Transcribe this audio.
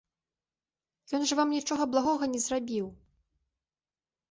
Ён жа вам нічога благога не зрабіў.